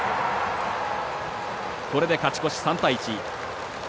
これで勝ち越し３対１。